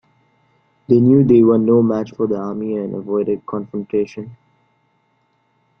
They knew they were no match for the army and avoided confrontations.